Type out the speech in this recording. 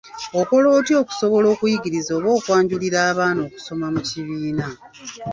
Okola otya okusobola okuyigiriza oba okwanjulira abaana okusoma mu kibiina?